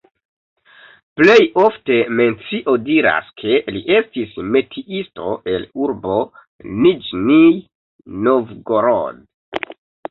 Plej ofte mencio diras, ke li estis metiisto el urbo Niĵnij Novgorod.